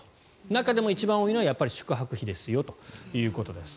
中でも一番多いのが宿泊費ですよということです。